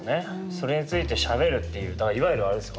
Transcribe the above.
それについてしゃべるっていうといわゆるあれです。